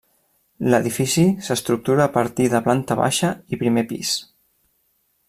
L'edifici s'estructura a partir de planta baixa i primer pis.